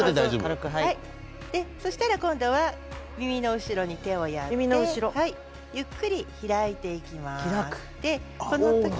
今度は、耳の後ろに手をやってゆっくり開いていきます。